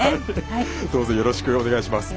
よろしくお願いします。